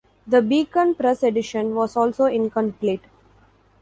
The Beacon Press edition was also incomplete.